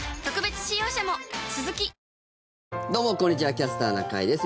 「キャスターな会」です。